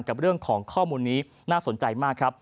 กับเรื่องของข้อมูลนี้น่าสนใจมากครับ